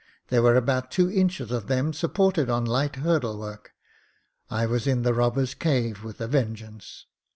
There were about two inches of them supported on light hurdle work. I was in the robber's cave with a vengeance."